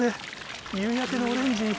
夕焼けのオレンジに。